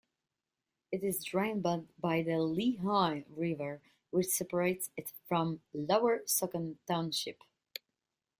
It is drained by the Lehigh River, which separates it from Lower Saucon Township.